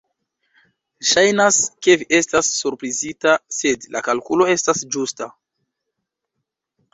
Ŝajnas, ke vi estas surprizita, sed la kalkulo estas ĝusta.